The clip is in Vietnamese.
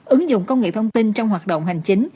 ứng dụng công nghệ thông tin trong hoạt động hành chính